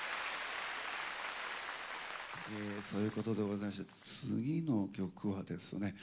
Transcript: そういうことでございまして次の曲はですね